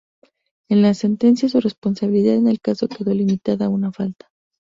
En la sentencia, su responsabilidad en el caso quedó limitada a una falta.